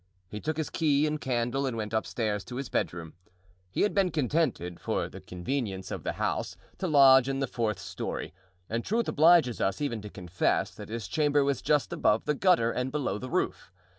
He took his key and candle and went upstairs to his bedroom. He had been contented, for the convenience of the house, to lodge in the fourth story; and truth obliges us even to confess that his chamber was just above the gutter and below the roof.